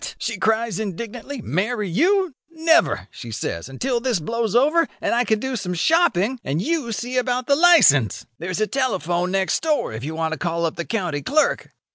she cries indignantly, 'marry you! Never,' she says, 'until this blows over, and I can do some shopping, and you see about the licence. There's a telephone next door if you want to call up the county clerk.